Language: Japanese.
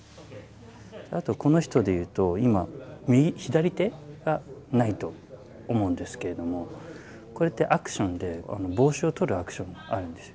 あとこの人で言うと今左手がないと思うんですけれどもこれってアクションで帽子を取るアクションがあるんですよ。